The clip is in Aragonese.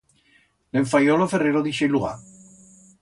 Le'n fayió lo ferrero d'ixe lugar.